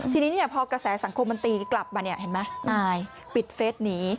ทีนี้พอกระแสสังคมมันตีกลับมามันปิดเฟซนี้